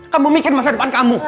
kamu bikin masa depan kamu